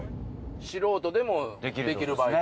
素人でもできるバイト？